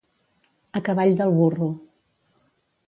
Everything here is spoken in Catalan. A cavall del burro.